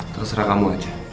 terserah kamu aja